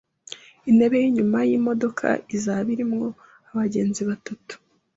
Intebe yinyuma yimodoka izaba irimo abagenzi batatu.